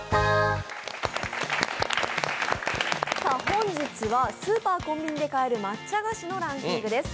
本日はスーパー、コンビニで買える抹茶菓子のランキングです。